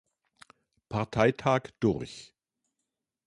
Parteitag durch.